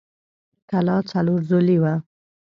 کلا څلور ضلعۍ وه.